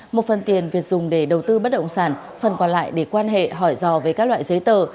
một phần tiền việt dùng để đầu tư bất động sản phần còn lại để quan hệ hỏi rò về các loại giấy tờ